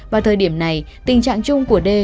vào thời điểm này tình trạng chung của đê